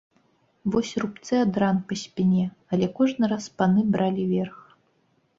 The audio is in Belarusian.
Вось рубцы ад ран па спіне, але кожны раз паны бралі верх.